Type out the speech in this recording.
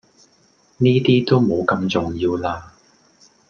呢啲都無咁重要喇